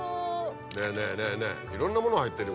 ねぇねぇねぇねぇいろんなものが入ってるよ